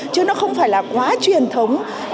chứ nó không phải là quá truyền thống